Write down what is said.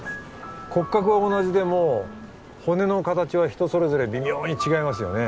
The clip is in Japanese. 骨格は同じでも骨の形は人それぞれ微妙に違いますよね